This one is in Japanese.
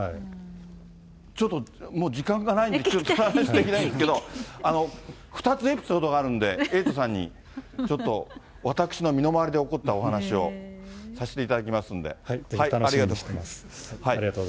ちょっともう時間がないのできょうは話できないんですけど、２つエピソードがあるんで、エイトさんにちょっと私の身の回りで起こったお話をさせていただぜひ、楽しみにしています。